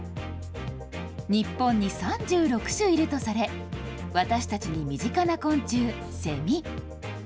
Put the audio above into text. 日本に３６種いるとされ、私たちに身近な昆虫、セミ。